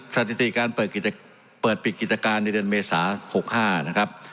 สถิติการเปิดปิดกิจการในเดือนเมษา๖๕นะครับ